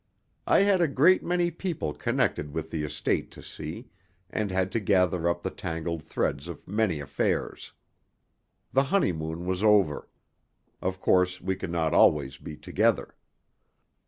I had a great many people connected with the estate to see, and had to gather up the tangled threads of many affairs. The honeymoon was over. Of course we could not always be together.